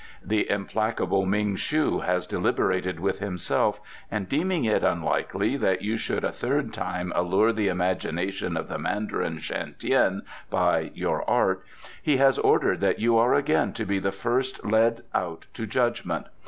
"The implacable Ming shu has deliberated with himself, and deeming it unlikely that you should a third time allure the imagination of the Mandarin Shan Tien by your art, he has ordered that you are again to be the first led out to judgment.